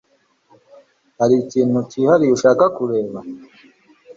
Hari ikintu cyihariye ushaka kureba?